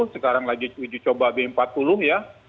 sekarang lagi uji coba b empat puluh ya